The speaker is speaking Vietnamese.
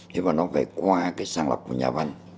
nhưng mà nó phải qua cái sàng lọc của nhà văn